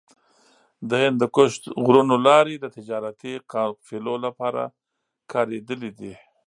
د هندوکش غرونو لارې د تجارتي قافلو لپاره کارېدلې دي.